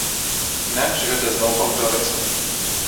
Інакш гэта зноў паўторыцца.